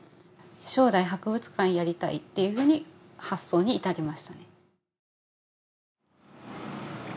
将来博物館をやりたいっていうふうに発想に至りましたね。